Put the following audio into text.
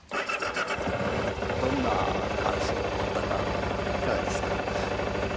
どんな感想を持ったかいかがですか？